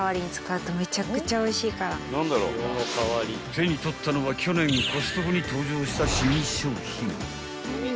［手に取ったのは去年コストコに登場した新商品］